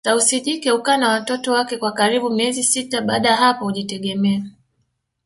Tausi jike hukaa na watoto wake kwa karibu miezi sita baada ya hapo hujitegemea